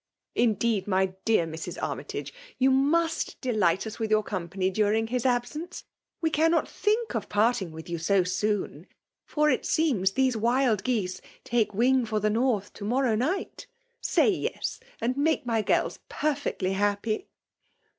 Indeed, my dear Mnk Armytage, yoa mnut deligjit na with yoor com pany daring his abseaoe. We eannot think of parting with yoa so soon ; for it seems these wild geese take wing for the North to*mocnnr night. Say yes, and make mj girls perfiectly happy